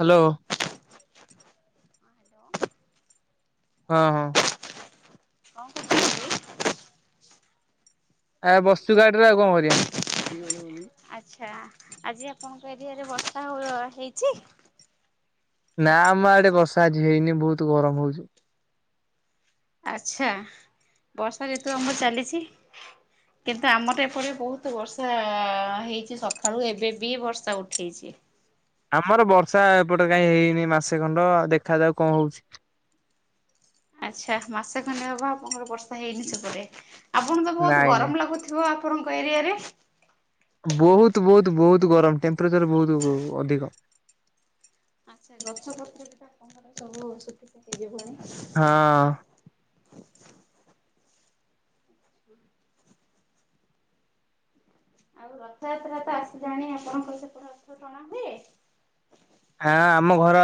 Hello ହଁ ହଁ। କଁ। [unintelligible] ଆ ବସିଚୁ ଗାଡ଼ି ରେ ଆଉ କଣ କରିଆ। ଆଚ୍ଛା, ଆଜି ଆପଣଙ୍କ ଏରିଆରେ ବର୍ଷା ହୋ ହେଇଛି? ନା ଆମ ଆଡେ ବର୍ଷା ଆଜି ହେଇନି ବୋହୁତୁ ଗରମ ହଉଚି। ଆଛା, ବର୍ଷା ଋତୁ ଆମର୍ ଚାଲିଚି। କିନ୍ତୁ ଆମର ଏପଟେ ବହୁତୁ ବର୍ଷା ହେଇଚି ସକାଳୁ ଏବେ ବି ବର୍ଷା ଉଠେଇଚି। ଆମର ବର୍ଷା ଏପଟେ କାଇଁ ହେଇନି ମାସେ ଖଣ୍ଡ ଦେଖାଯାଉ କଣ ହଉଚି। ଆଚ୍ଛା, ମାସେ ଖଣ୍ଡେ ହବ ଆପଣଙ୍କର ବର୍ଷା ହେଇନି ସେପଟେ ଆପଣଙ୍କୁ ତ ବହୁତ୍ ନାଇଁ ନାଇଁ। ଗରମ ଲାଗୁଥି ଥିବ ଆପଣଙ୍କ ଏରିଆ ରେ? ବୋହୁତୁ ବୋହୁତୁ ବୋହୁତୁ ଗରମ ଟେମ୍ପେରେଚର ବୋହୁତୁ ଅଧିକ। ଆଚ୍ଛା ଗଛପତ୍ର ବି ତ ଆଣଙ୍କର ସବୁୁ ଶୁକି ଶାକି ଯିବଣୀ? ହଁ। [inaudible] ଆଉ ରଥଯାତ୍ରା ତ ଆସିଲାଣି ଆପଣଙ୍କ ସେପଟେ ରଥ ଟଣା ହୁଏ? ଆଁ, ଆମ ଘର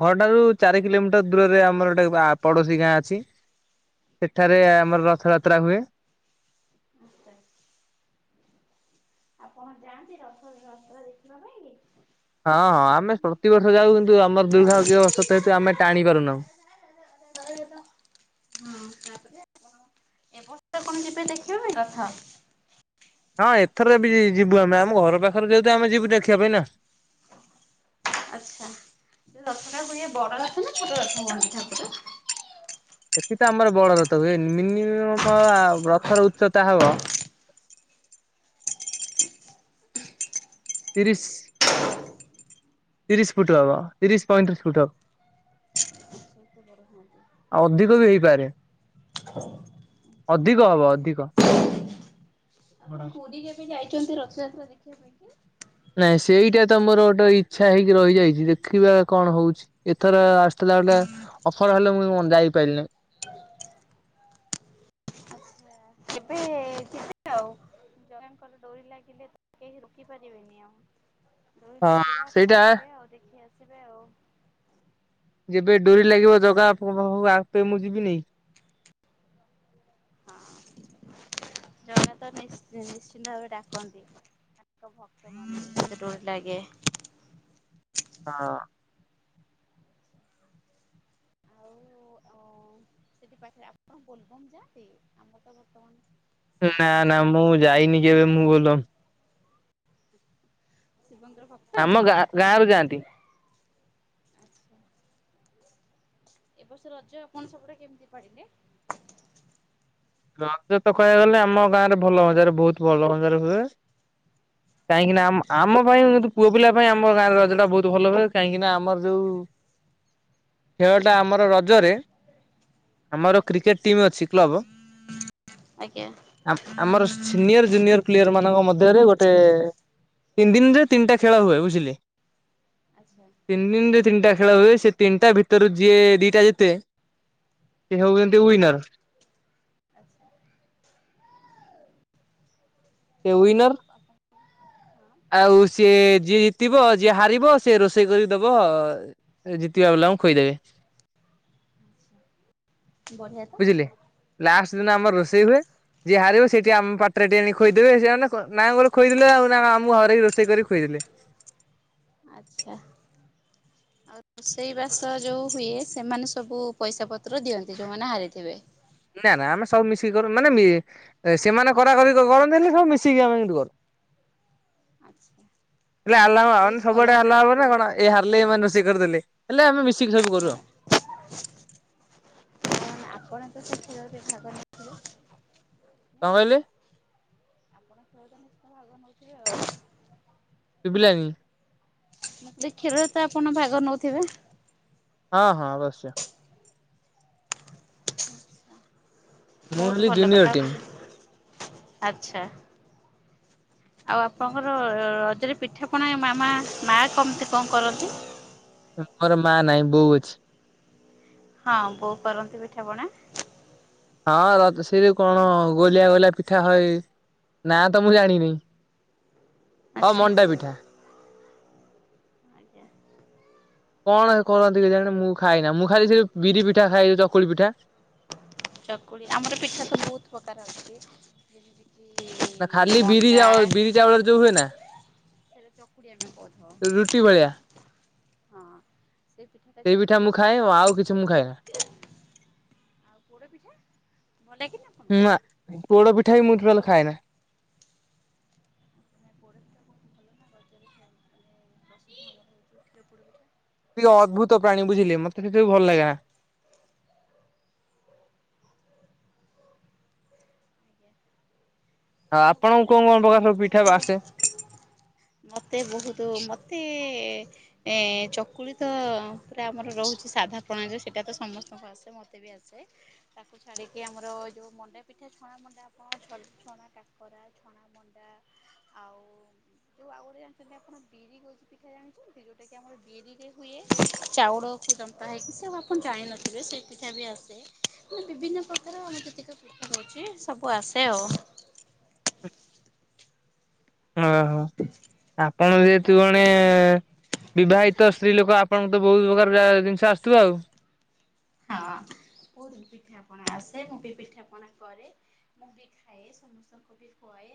ଘର ଠାରୁ ଚାରି କିଲୋମିଟର ଦୂରରେ ଆମର ଗୋଟେ ଆ ପଡୋଶୀ ଗାଁ ଅଛି ସେଠାରେ ଆମର ରଥଯାତ୍ରା ହୁଏ। ଆଚ୍ଛା। ଆପଣ ଯାଆନ୍ତି ରଥ ରସ ଦେଖିବା ପାଇଁକି? ହଁ ଆମେ ପ୍ରତିବର୍ଷ ଯାଉ କିନ୍ତୁ ଆମର ଦୁର୍ଭାଗ୍ୟବସତ ହେତୁ ଆମେ ଟାଣି ପାରୁନାହୁଁ। ହଁ ତାପରେ ଆପଣ ଏ ବର୍ଷ କଣ ଯିବେ ଦେଖିବା ପାଇଁ ରଥ? ହଁ ଏଥର ବି ଯିବୁ ଆମେ, ଆମ ଘର ପାଖେରେ ଯେହେତୁ ଆମେ ଯିବୁ ଦେଖିଆ ପାଇଁ ନା। ଆଚ୍ଛା, ସେ ରଥ ଟା ବଡ଼ ରଥ ନା ଛୋଟ ରଥ ହୁଅନ୍ତି ଠାକୁର? ସେଠି ତ ଆମର ବଡରଥ ହୁଏ। ମିନିମମ୍ ଆଉ ରଥର ଉଚ୍ଚତା ହବ ତିରିଶ୍ ତିରିଶ୍ ଫୁଟୁ ହବ, ତିରିଶ୍ ପଇଁତିରିଶ୍ ଫୁଟ ହବ। ହନ୍ତି। ଅଧିକ ବି ହେଇପାରେ। [unintelligible] ଅଧିକ ହବ ଅଧିକ। ଆପଣ ପୁରୀ କେବେ ଯାଇଚନ୍ତି ରଥଯାତ୍ରା ଦେଖିଆ ପାଇଁ କି? ନାଇଁ ସେଇଟା ତ ମୋର ଗୋଟେ ଇଚ୍ଛା ହେଇକି ରହିଯାଇଚି ଦେଖିବା କଣ ହଉଚି। ଏଥର ଆସିଥିଲା ଗୋଟେ ଅଫର ହେଲେ ମୁଁ ଅନ୍ ଯାଇପାରିଲିନି। ଆଚ୍ଛା ଙ୍କର ଡୋରି ଲାଗିଲେ କେହି ରୋକି ପାରିବେନି ଆଉ। ଡୋରି ହଁ ଲାଗିଲେ ଆପଣ ସେଇଟା ଯିବେ ଆଉ ଦେଖି ଆସିବେ ଆଉ। ଯେବେ ଡୋରି ଲାଗିବ ଜଗା ଆପଣ ହଉ ଆପେ ମୁଁ ଯିବିନି। ହଁ, ଜଗା ତ ନିଶ୍ଚ୍ ନିଶ୍ଚିନ୍ତ ଭାବରେ ଡାକନ୍ତି। ତ ଭକ୍ତ [unintelligible] ଡୋରି ଲାଗେ। ହଁ। ଆଉ ଉମ୍ ସେଠି ପାଖରେ ଆପଣ ବୋଲବମ ଯାଆନ୍ତି? ଆମର ତ ବର୍ତ୍ତମାନ୍ ନା ନା ମୁଁ ଯାଇନି କେବେ ମୁଁ ବୋଲ ଶିିବଙ୍କ ର ଭ ଆମ ଗାଁ ଗାଁ ରୁ ଯାଆନ୍ତି। ଆଚ୍ଛା। ଏ ବର୍ଷ ରଜ ଆପଣ ସେପଟେ କେମିତି ପାଳିଲେ? ରଜ ତ କହିଆକୁ ଗଲେ ଆମ ଗାଁରେ ଭଲ ଭଜାରେ ବହୁତ ଭଲ ଭଜାରେ ହୁଏ। କାହିଁକିନା ଆମ ଆମ ପାଇଁ କିନ୍ତୁ ପୁଅ ପିଲା ପାଇଁ ଆମ ଗାଁରେ ରଜଟା ବହୁତ ଭଲ ହୁଏ କାହିଁକିନା ଆମର ଯୋଉ ଖେଳଟା ଆମର ରଜରେ ଆମର ଆଜ୍ଞା। କ୍ରିକେଟ ଟିମ୍ ଅଛି କ୍ଲବ ଆଜ୍ଞା। ଆ ଆମର ସିନିୟର ଜୁନିୟର ପ୍ଲେୟର ମାନଙ୍କ ମଧ୍ୟରେ ଗୋଟେ ତିନିଦିନରେ ତିନିଟା ଖେଳ ହୁଏ ବୁଝିଲେ? ଆଚ୍ଛା। ତିନିଦିନରେ ତିନିଟା ଖେଳ ହୁଏ ସେ ତିନିଟା ଭିତରୁ ଯିଏ ଦିଟା ଜିତେ ସେ ହେଉଚନ୍ତି ୱିନର। ସେ କାରଣ ୱିନର ହଁ ଆଉ ସିଏ ଯିଏ ଜିତିବ ଯିଏ ହାରିବ ସିଏ ରୋଷେଇ କରିଦବ। ଜିତିବା ବାଲାଙ୍କୁ ଖୋଇଦେବେ। ବଢିଆ। ବୁଝିଲେ ଲାଷ୍ଟ ଦିନ ଆମର ରୋଷେଇ ହୁଏ। ଯିଏ ହାରିବ ସେ ଟିକେ ଆମ ପାଟିରେ ଟିକେ ନେଇକି ଖୋଇଦେବେ ସେ ମାନେ ନାଁ କୁ ଗୋଟେ ଖୋଇଦେଲେ ଆଉ ନା ଆମକୁ ହରେଇ ରୋଷେଇ କରିି ଖୁଏଇଦେଲେ। ଆଚ୍ଛା। ଆଉ ରୋଷେଇ ବାସ ଯୋଉ ହୁଏ ସେମାନେ ସବୁ ପଇସା ପତ୍ର ଦିଅନ୍ତି ଯୋଉମାନେ ହାରିଥିବେ। ନା ନା ଆମେ ସବୁ ମିଶିକି କରୁ ମାନେ ମି ଏ ସେମାନେ କରାକରି କରିନ୍ତିନି ସବୁ ମିଶିକି ଆମେ କିନ୍ତୁ କରୁ। ଆ ଖାଲି ହାଲା ହବ ମାନେ ସବୁଆଡେ ହାଲା ହବ ନା କଣ ଏଇ ହାରିଲେ ଏମାନେ ରୋଷେଇ କରିଦେଲେ ହେଲେ ଆମେ ମିଶିକି ସବୁ କରୁ ଆଉ। ଆପଣ ତ ସବୁ ଖେଳରେ ଦେଖାକରି ନଥିବେ? କଣ କହିଲେ? ଆପଣ [unintelligible] ଭାଗ ନେଉଥିବେ ଆଉ ଶୁଭିଲାନି। ପ୍ରତ୍ୟେକ ଖେଳରେ ତ ଆପଣ ଭାଗ ନଉଥିବେ? ହଁ ହଁ ଅବଶ୍ୟ। ମୁଁ ବହୁତ ହେଲି ଭଲ କଥା ଜୁନିୟର ଟିମ୍। ଆଚ୍ଛା। ଆଉ ଆପଣଙ୍କର ରଜରେ ପିଠାପଣା ମାମା ମାଆ କମିତି କଣ କରନ୍ତି? ମୋର ମାଆ ନାଇଁ ବୋଉ ଅଛି। ହଁ ବୋଉ କରନ୍ତି ପିଠାପଣା। ହଁ ରତ୍ ସେ ଯୋଉ କଣ ଗୋଲିଆ ଗୋଲିଆ ପିଠା ହଏ ନାଁ ତ ମୁଁ ଜାଣିନି। ହଁ ଆଚ୍ଛା। ମଣ୍ଡା ପିଠା। ଆଜ୍ଞା। କଣ ତାକୁ କହନ୍ତି କେଜାଣି ମୁଁ ଖାଏନା ମୁଁ ଖାଲି ସେ ବିରି ପିଠା ଖାଏ ଚକୁଳି ପିଠା ଚକୁଳି ଆମର ପିଠା ତ ବହୁତ ପ୍ରକାର ଅଛି ଯେମିତି ନା ଖାଲି ବିରି ଆଉ ବିରି ଚାଉଳରେ ଯୋଉ ହୁଏ ନା? ସେଇଟା ଚକୁଲି ଆମେ ରୁଟି ଭଳିଆ କହିଥାଉ ହଁ ସେ ପିଠା ସେଇ ପିଠା ମୁଁ ଖାଏ ଆଉ କିଛି ମୁଁ ଖାଏନା। ଆଉ ପୋଡ଼ ପିଠା ଭଲ ଲାଗେନି ଆପଣଙ୍କୁ? ପୋଡ଼ପିଠା ବି ମୁଁ ଟୋଟାଲ ଖାଏନା। ପୋଡ଼ ପିଠା ବହୁତ [unintelligible] ଟିକେ ଅଦ୍ଭୁତ ପ୍ରାଣୀ ବୁଝିଲେ ମତେ ସେ ସବୁ ଭଲ ଲାଗେନା। ଆଜ୍ଞା। ହଁ ଆଉ ବାକି ଆପଣଙ୍କୁ କଣ ରହିଲା କଣ ପ୍ରକାର ସବୁ ପିଠା ବାସେ? ମୋତେ ବହୁତୁ ମତେ ଏ ଚକୁଳି ତ ପୁରା ଆମର ରହୁଛି ସାଧା ପ୍ରଣାଳୀରେ ସେଇଟା ତ ସମସ୍ତଙ୍କୁ ଆ ସେ ମତେ ବି ଆସେ। ତାକୁ ଛାଡିକି ଆମର ଯୋଉ ମଣ୍ଡା ପିଠା ଛଣା ମଣ୍ଡା ଆପଣ ଛ ଛଣା କାକରା, ଛଣା ମଣ୍ଡା ଆଉ ଯୋଉ ଆଉ ଗୋଟେ ଜାଣିଛନ୍ତି ଆପଣ ବିରି ଗଛି ପିଠା ଜାଣିଛନ୍ତି? ଯୋଉଟା କି ଆମର ବିରି ବିରିରେ ହୁଏ। ଚାଉଳକୁ ଜନ୍ତା ହେଇକି ସେରା କୁ ଆପଣ ଜାଣିିନଥିବେ। ସେ ପିଠା ବି ଆସେ। ବିଭିନ୍ନ ପ୍ରକାର [unintelligible] ହଉଛି ସବୁ ଆସେ ଆଉ। ଓହୋ। ଆପଣ ପିଠା ଯେହେତୁ ଜଣେ ଆସେ। ବିବାହିତ ସ୍ତ୍ରୀ ଲୋକ ଆପଣଙ୍କ ତ ବହୁତ ପ୍ରକାର [unintelligible] ଜିନିଷ ଆସୁଥିବ ଆଉ। ହଁ କୋଉ ବି ପିଠା ପଣା ଆସେ। ମୁଁ ବି ପିଠା ପଣା କରେ। ମୁଁ ବି ଖାଏ ସମସ୍ତ ବି ଖୁଆଏ।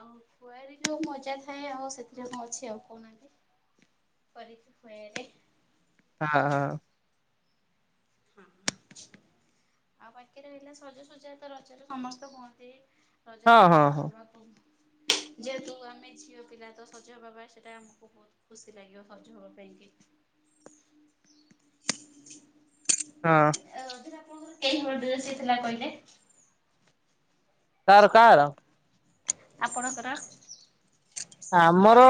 ଆଉ ଖୁଆରେ ମଜା ଥାଏ ଆଉ ସେଥିରେ କଣ ଅଛି ଆଉ କହୁନାହାନ୍ତି? କରିକି ଖୁଆଇଲେ। [unintelligible] ହଁ ଆଉ ବାକି ରହିଲା ସଜସଜା ତ ରଜରେ ସମସ୍ତ ହୁଅନ୍ତି। ହଁ ରଜାରେ ବି ହଁ ସଜ ହଁ ହବା ତ ଯେହେତୁ ଆମେ ଝିଅ ପିଲା ତ ସଜ ହବା ପାଇଁ ସେଇଟା ଆମକୁ ବହୁତ ଖୁସି ଲାଗିିବ ହଜ ହବ ପାଇଁକି। ହଁ। ରଜରେ ଆପଣଙ୍କର କେଇ ହଳ ଡ୍ରେସ ହେଇଥିଲା କହିଲେ? କାର କାର। ଆପଣଙ୍କର। ଆମର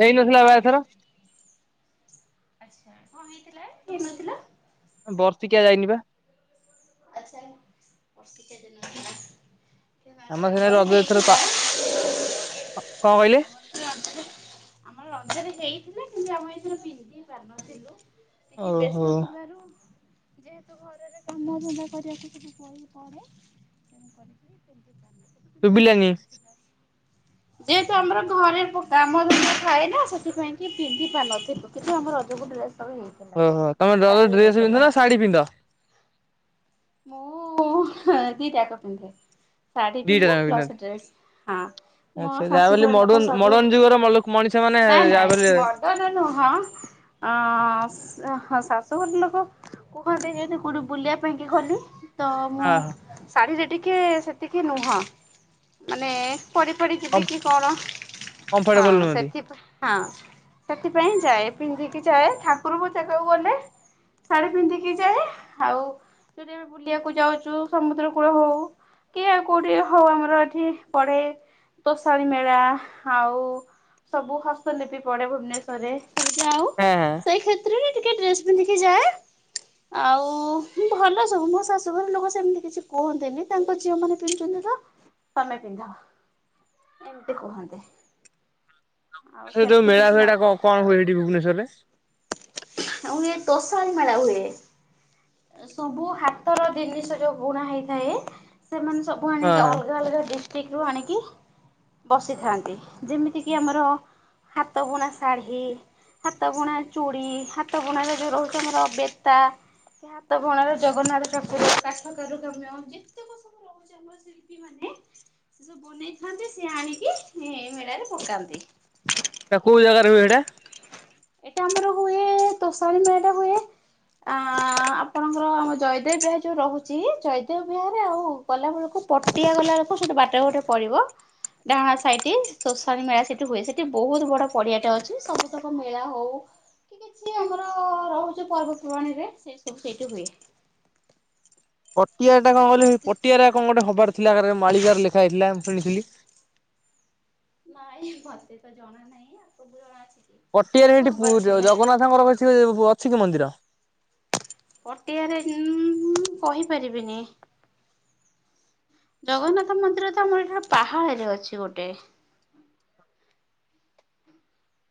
ହେଇନଥିଲା ପା ଏଥର। ହଁ କନ୍ ହେଇଥିଲା ହେଇନଥିଲା? ବର୍ତ୍ଷିକଆ ଯାଇନି ବା। ହଁ ବର୍ଷିକିଆ ଯାଇନଥିଲା। ଆମ ସେଣେ ଆମର ରଜ ଏଥର ପା ହେଇଥିଲା। କଣ କହିଲେ? ଆମର ରଜରେ ଆମର ରଜାରେ ହେଇଥିଲା କିନ୍ତୁ ଆମେ ଏଥିରେ ପିନ୍ଧି ପାରିନଥିଲୁ। ତିକି ଓହୋ ବ୍ୟସ୍ତ ଥିବାରୁ ଯେହେତୁ ଘରର କାମଧନ୍ଦା କରିବାକୁ ସବୁ [unintelligible] ଶୁବିଲାନି? ହେଇଥିଲା। ଯେହେତୁ ଆମର ଘରେ କାମ ଯେ ଥାଏ ନା ସେଥିପାଇଁ କି ପିନ୍ଧି ପାରୁନଥିଲୁ। ଯେହେତୁ ଆମ ରଜ କୁ ଡ୍ରେସ୍ ହଲେ ହେ ଓହୋ ତମେ ରଜକୁ ଡ୍ରେସ ପିନ୍ଧ ନା ଶାଢୀ ପିନ୍ଧ? ମୁଁ ଦି ଟାକ ପିନ୍ଧେ। ଶାଢୀ ଦିଟା ପିନ୍ଧେ ଯାକ ପ୍ଲସ୍ ପିନ୍ଧନ୍ତି। ଡ୍ରେସ୍। ହଁ। ମୋ ଆଚ୍ଛା ଯାହା ଶାଶୁ ବୋଲି ଘର ଲୋକ ମଡର୍ନ ସବୁ, ମଡର୍ନ ଯୁଗର ମଲ ମଣିଷ ମାନେ ନାଇଁ ଯାହା ବୋଲି ନାଇଁ ମଦନ ନୁହଁ। ଅ ହଁ ଶାଶୁଘର ଲୋକ କୁହନ୍ତି ଯେଠି କଉଠି ବୁଲିବା ପାଇଁ ଗଲି ତ ହଁ ହ। ଶାଢୀରେ ଟିକେ ସେତିକି ନୁହଁ ମାନେ ପଢି ପଢି ଯିବି ହଁ କି କଣ, କମ୍ଫର୍ଟେବଲ ହଁ ନୁହନ୍ତି। ସେଥିପାଇଁ ହଁ ସେଥିପାଇଁ ଯାଏ ପିନ୍ଧିକି ଯାଏ ଠାକୁରଙ୍କ ଜାଗାକୁ ଗଲେ ଶାଢୀ ପିନ୍ଧିକି ଯାଏ ଆଉ ଯଦି ଆମେ ବୁଲିବାକୁ ଯାଉଛୁ ସମୁଦ୍ର କୂଳ ହଉ କିଏ କୋଉଠି ହୋମର ଏଠି ପଡେ ତୋଷାରୀ ମେଳା ଆଉ ସବୁ ହସ୍ତଲିପି ପଡ଼େ ଭୁବନେଶ୍ୱରରେ। ଆଉ ହଁ ହଁ ସେଇ କ୍ଷେତ୍ରରେ ଟିକେ ଡ୍ରେସ୍ ପିନ୍ଧିକି ଯାଏ ଆଉ ଭଲ ସବୁ ମୋ ଶାଶୁଘର ଲୋକ ସେମିତି କିଛି କୁହନ୍ତିନି ତାଙ୍କ ଝିଅ ମାନ ପିନ୍ଧୁଚନ୍ତିତ ତମେ ପିନ୍ଧ ଏମିତି କୁହନ୍ତି। ଆଉ ସେ ଯୋଉ ସେମିତି ମେଳା କିଛି ଫେଳା କଁ ନଥାଏ ହୁଏ ସେଠି ଭୁବନେଶ୍ୱରରେ? ଆଉ ହୁଏ ତୋଷାରୀ ମେଳା ହୁଏ। ସବୁ ହାତର ଜିନିଷ ଯୋଉ ବୁଣା ହେଇଥାଏ ସେମାନେ ସବୁ ହଁ ଆଣିକି ହଁ ଅଲଗା ଅଲଗା ଡି ଠିକରୁ ଆଣିକି ବସିଥାନ୍ତି ଯେମିତିକି ଆମର ହାତ ବୁଣି ଶଢ଼ୀ ହାତ ବୁଣା ଚୁଡ଼ି ହାତ ବୁଣାରେ ଜୋଉ ରହୁଚି ଆମର ବେତା ବୁଣାରେ ଜଗନ୍ନାଥ ଠାକୁର କାଠ କାରୁକାମ ଯେତେକ [unintelligible] ମାନେ ସେ ସବୁ ବନେଇଥାନ୍ତି ସିଏ ଆଣିକି ଏ ମେଳାରେ ପକାନ୍ତି। ଏଟା କୋଉଜାଗାରେ ହୁଏ ଏଇଟା? ଏଇଟା ଆମର ହୁଏ ତୋଷାଲ ମେଳାଟା ହୁଏ ଆ ଆପଣଙ୍କର ଆମ ଜୟଦେବ ବିହାରି ଯୋଉ ରହୁଚି ଜୟଦେବ ବିହରେ ଆଉ ଗଲାବେଳକୁ ପଟିଆ ଗଲା ବାଟରେ ଗଟେ ପଡ଼ିବ ଡାହାଣ ସାହିଟି ସୋଶୀ ମେଳା ସେଇଠି ହୁଏ ସେଠି ବହୁତ୍ ବଡ଼ ପଡିଆଟା ଅଛି ସମ ତା ମେଳା ହଉ କିଛି ଆମର ରହୁଚି ପର୍ବପର୍ବାଣିରେ ସେବୁ ସେଇଠି ହୁଏ। ପଟିଆଟା କଣ କହିଲ ପଟିଆରେ କଣ ଗୋଟେ ଖବର ଥିଲା ମାଳିକାରେ ଲେଖା ହେଇଥିଲା ଶୁଣିଥିଲି? ନାଇଁ ମତେତ ଜଣା ନାହିଁ ଆପଣଙ୍କୁ ଜଣା ଅଛି। ଟଟିଆରେ ସେଇଠି ପୁ ଜଗନ୍ନାଥଙ୍କର କିଛି ଅଛିକି ମନ୍ଦିର? ପଟିଆରେ କହିପାରିବିନି। ଜଗନ୍ନାଥ ମନ୍ଦିରତ ଆମର ଏଟା ପାହାଳରେ ଅଛି ଗୋଟେ।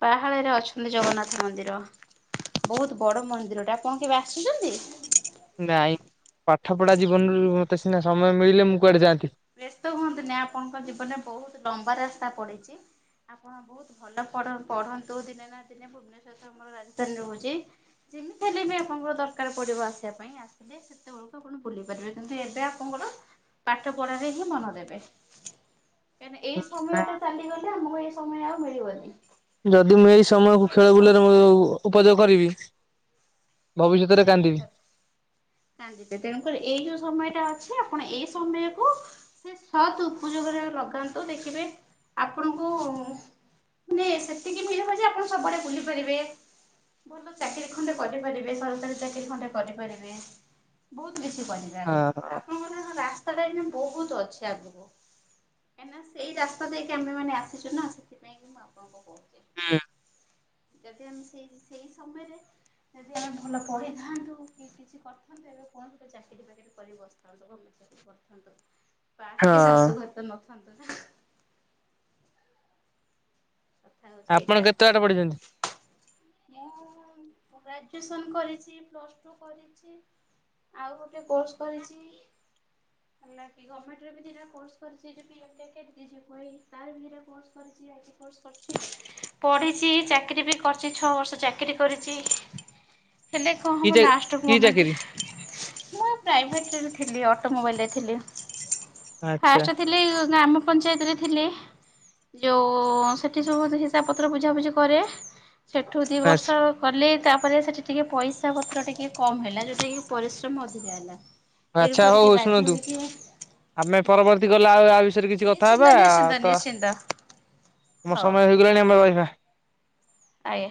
ପାହାଳରେ ଅଛନ୍ତି ଜଗନ୍ନାଥ ମନ୍ଦିର। ବହୁତ୍ ବଡ଼ ମନ୍ଦିରଟା ଆପଣ କେବେ ଆସୁଚନ୍ତି? ନାଇଁ ପାଠ ପଢା ଜୀବନରୁ ମତେ ସିନା ସମୟ ମିଳିଲେ ମୁଁ କୁଆଡ଼େ ଯାଆନ୍ତି। ବ୍ୟସ୍ତ ହୁଅନ୍ତି ନାଇଁ ଆପଣଙ୍କ ଜୀବନରେ ବହୁତ୍ ଲମ୍ବା ରାସ୍ତା ପଡ଼ିଚି। ଆପଣ ବହୁତ୍ ଭଲ ପଢ ପଢନ୍ତୁ ଦିନେ ନା ଦିନେ ଭୁବନେଶ୍ୱର ଆମର ରାଜଧାନୀ ରହୁଚି ଯେମିତି ହେଲେବି ଆପଣଙ୍କର ଦରକାର ପଡ଼ିବ ଆସିବା ପାଇଁ ଆସିଲେ ସେତେବେଳକୁ ଆପଣ ବୁଲି ପାରିବେ କିନ୍ତୁ ଏବେ ଆପଣଙ୍କର ପାଠ ପଢାରେ ହିଁ ମନ ଦେବେ କାଁଇକିନା ଏଇ ସମୟଟା ଚାଲିଗଲେ ପରେ ଆମକୁ ଆଉ ଏଇ ସମୟ ଆଉ ମିଳିବନି। ଯଦି ମୁଁ ଏଇ ଠିକ ସମୟକୁ କହିଲି ଖେଳ ତ ବୁଲରେ ଉପଯୋଗ କରିବି ଭବିଷ୍ୟତରେ ସେଇ କାନ୍ଦିବି। କଥା। କାନ୍ଦିବେ ତେଣୁକରି ଏଇ ଯୋଉ ସମୟଟା ଅଛି ଆପଣ ଏଇ ସମୟକୁ ସେ ସତ୍ ଉପଯୋଗରେ ଲଗାନ୍ତୁ ଦେଖିବେ ଆପଣଙ୍କୁ ନଁ ସେତିକି ମିଳିବଜେ ଆପଣ ସବୁଆଡ଼େ ବୁଲି ପାରିବେ ଭଲ ଚାକିରରି ଖଣ୍ଡେ କରିପାରିବେ ଚାକିରି ଖଣ୍ଡେ କରିପାରିବେ ବହୁତ୍ ବେଶୀ କରିବେ ହଁ ଆଗକୁ ଆ ଆପଣଙ୍କର ରାସ୍ତାଟା ଏଇ ବହୁତ୍ ଅଛି ଆଗକୁ କାହିଁକିନା ସେଇ ରାସ୍ତା ଦେଇକି ଆମେ ମାନେ ଆସିଚୁନା ସେଥିପାଇଁକି ମୁଁ ଆପଣଙ୍କୁ କହୁଚି। ଯଦି ଆମେ ସେଇ ସେଇ ସମୟରେ ଯଦି ଆ ଭଲ ପଢିଥାନ୍ତୁ କି କିଛି କରିଥାନ୍ତୁ ଏବେ କଣ ଗଟେ ଚାକିରି ଫାକିରି କର କରି ବସିଥାନ୍ତୁ। ହଁ। କାହିକି ଶାଶୁ ଘରତ ନଥାନ୍ତୁନା। କଥା ହଉଚି ଆପଣ ଏଇଟା। କେତେ ବାଟ ପଢିଛନ୍ତି ମୁଁ ଗ୍ରାଜୁଏସନ କରିଛି ପ୍ଲସ ଟୁ କରିଛି। ଆଉ ଗୋଟେ କୋର୍ସ କରିଛି ନା କି ଗଭର୍ଣ୍ଣମେଣ୍ଟ ରେ ବି ଦିଟା କୋର୍ସ କରିଛି [inaudible] ତାର ବି ଦିଟା କୋର୍ସ କରିଛି କରିଛି ପଢ଼ିଛି ଚାକିରୀ ବି କରିଛି ଛଅ ବର୍ଷ ଚାକିରିୀ କରିଛି। ହେଲେ କଣ କି ହବ ଚା ଲାଷ୍ଟ କି ଚାକିରି ମୁମେଣ୍ଟରେ ମୁଁ ପ୍ରାଇଭେଟ ରେ ଥିଲି ଅଟୋ ମୋବାଇଲ୍ ରେ ଥିଲି। ଆଚ୍ଛା ଫାଷ୍ଟ ଥିଲି ଗ୍ରାମ ପଞ୍ଚାୟତରେ ଥିଲି ଯୋଉ ସେଠି ସବୁ ହିସାବ ପତ୍ର ବୁଝାବୁଝି କରେ ସେଠୁ ଦୁଇ ଆଚ୍ଛା। ବର୍ଷ କଲେ ତାପରେ ସେଠି ଟିକେ ପଇସା ପତ୍ର ଟିକେ କମ ହେଲା ଯୋଉଟା କି ପରିଶ୍ରମ ଅଧିକା ହେଲା। ଆଚ୍ଛା ଏରପରେ ହଉ କି ହଉ ବାଧ୍ୟ ଶୁଣନ୍ତୁ ହୋଇକି ଆମେ ପରବର୍ତ୍ତୀ ଗଲେ ଆଉ ଆ ବିଷୟରେ କିଛି କଥା ନିଶ୍ଚିନ୍ତ ହେବା ନିଶ୍ଚିନ୍ତ ତ ନିଶ୍ଚିନ୍ତ ମୋ ହଉ ସମୟ ହେଇ ଗଲାଣି ଆମର କହିବା। ଆଜ୍ଞା।